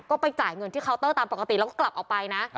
ก็ไปจ่ายเงินที่เคาน์เตอร์ตามปกติแล้วก็กลับออกไปนะ